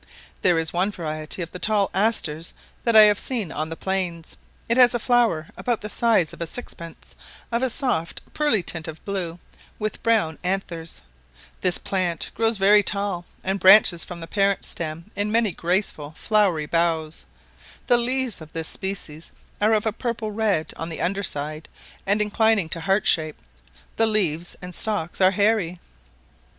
There is one variety of the tall asters that I have seen on the plains, it has flowers about the size of a sixpence, of a soft pearly tint of blue, with brown anthers; this plant grows very tall, and branches from the parent stem in many graceful flowery boughs; the leaves of this species are of a purple red on the under side, and inclining to heart shape; the leaves and stalks are hairy.